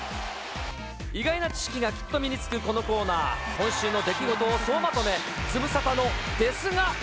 意外な知識がきっと身につく、このコーナー、今週の出来事を総まとめ。